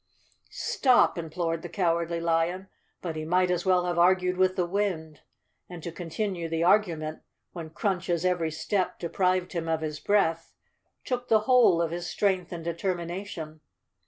"Stop!" implored the Cowardly Lion, but he might as well have argued with the wind, and to continue the argument, when Crunch's every step deprived him of 268 _ Chapter Twenty his breath, took the whole of his strength and determi¬ nation.